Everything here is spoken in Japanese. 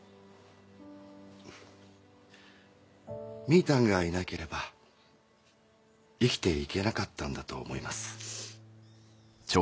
みぃたんがいなければ生きて行けなかったんだと思います。